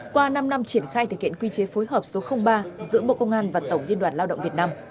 qua năm năm triển khai thực hiện quy chế phối hợp số ba giữa bộ công an và tổng liên đoàn lao động việt nam